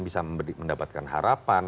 untuk kemudian bisa mendapatkan harapan